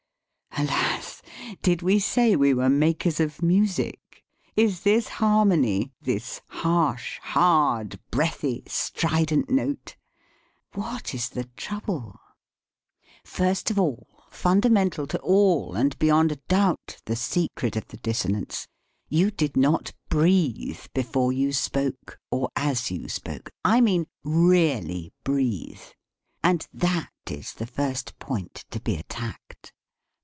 Alas! did we say we were "makers of music"? Is this harmony, this harsh, hard, breathy, strident note? What is the trouble? First of all, fundamental to all, and beyond a doubt the secret of the dissonance, you did not breathe before you spoke or as you spoke. mean, really breathe. And that is the first point to be attacked.